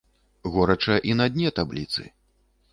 Горача і на дне табліцы.